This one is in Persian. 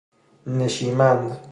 نشیمند